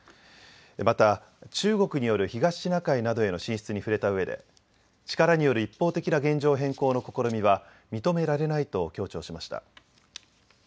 また中国による東シナ海などへの進出に触れたうえで力による一方的な現状変更の試みは認められないと強調しました。